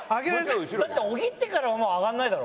だって小木ってからはもう上がんないだろ？